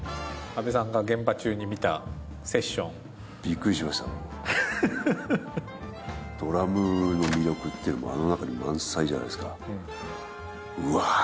阿部さんが現場中に見た「セッション」ドラムの魅力っていうのもあの中に満載じゃないですかうわ